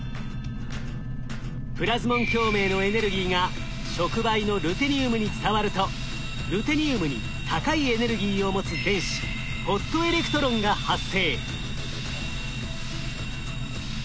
プラズモン共鳴のエネルギーが触媒のルテニウムに伝わるとルテニウムに高いエネルギーを持つ電子ホットエレクトロンが発生。